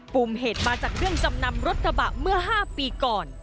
มเหตุมาจากเรื่องจำนำรถกระบะเมื่อ๕ปีก่อน